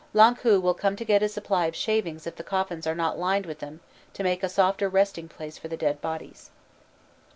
L'Ankou will come to get a supply of shavings if the coffins are not lined with them to make a softer resting place for the dead bodies.